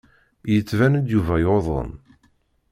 Yettban-d Yuba yuḍen.